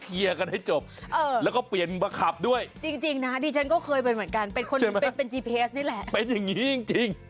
อีกฝั่งแบบอะไรขึ้นนี่